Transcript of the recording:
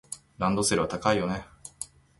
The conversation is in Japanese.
ランドセルは高いよね。